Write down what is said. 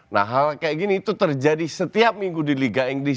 nah hal kayak gini itu terjadi setiap minggu di liga inggris